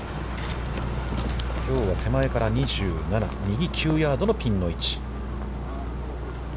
きょうは手前から２７、右９ヤードのピンの位置。